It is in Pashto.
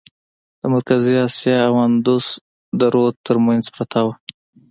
د مرکزي آسیا او اندوس د رود ترمنځ پرته وه.